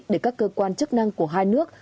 để các cơ quan chức năng của hai nước